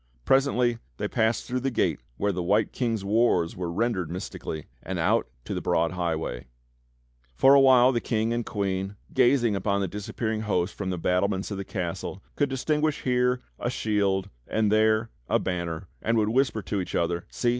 Presently they passed through the gate where the White King's wars were rendered mystically, and out to the broad highway. THE COMING OF GALAHAD 117 For a while the King and Queen, gazing upon the disappearing host from the battlements of the castle, could distinguish here a shield and there a banner, and would whisper to each other: "See!